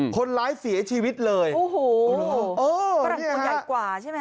คนร้ายเสียชีวิตเลยโอ้โหฝรั่งตัวใหญ่กว่าใช่ไหม